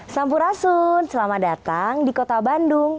sampurasun selamat datang di kota bandung